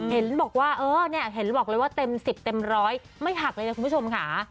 เห็นบอกว่าเต็ม๑๐เต็ม๑๐๐ไม่หักเลยนะคุณผู้ชมค่ะ